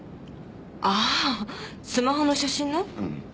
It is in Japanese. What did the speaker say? ああスマホの写真の？